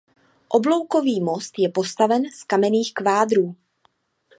Obloukový most je postaven z kamenných kvádrů.